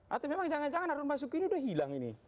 atau memang jangan jangan harun basuki ini udah hilang ini